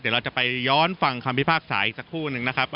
เดี๋ยวเราจะไปย้อนฟังคำพิพากษาอีกสักครู่นึงนะครับ